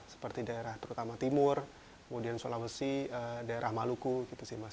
seperti daerah terutama timur kemudian sulawesi daerah maluku gitu sih mas